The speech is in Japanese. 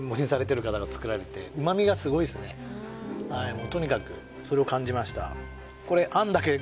もうとにかくそれを感じました